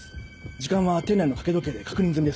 時間は店内の掛け時計で確認済みです。